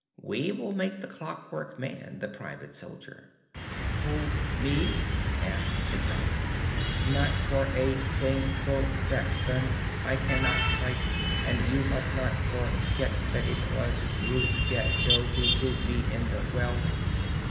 We will make the Clockwork Man the private soldier!" "Who? Me?" asked Tik Tok. "Not for a sin gle sec ond! I can not fight, and you must not for get that it was Rug ge do who threw me in the well."